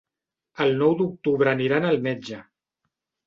El nou d'octubre aniran al metge.